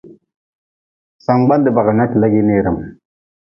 Sangbande bagli na ti legi neerm.